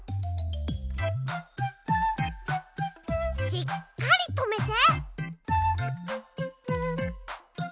しっかりとめて。